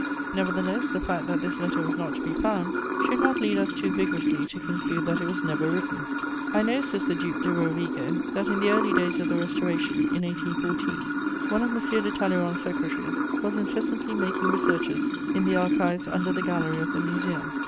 Nevertheless, the fact that this letter was not to be found should not lead us too vigorously to conclude that it was never written: "I know," says the Duc de Rovigo, "that in the early days of the Restoration, in 1814, one of M. de Talleyrand's secretaries was incessantly making researches in the archives under the gallery of the Museum.